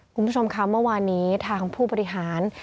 คุณผู้ชมคะเมื่อวานนี้ทางผู้บริหาร